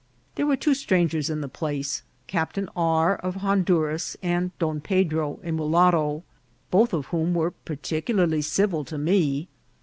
There were two strangers in the place, Captain R. of Honduras, and Don Pedro, a mulatto, both of whom were particularly civil to me.